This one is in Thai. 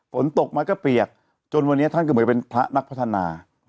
ฝนตกมาก็เปียกจนวันนี้ท่านก็เหมือนเป็นพระนักพัฒนา